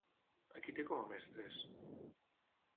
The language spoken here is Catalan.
A qui té com a mestres?